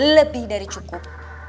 lebih dari cukup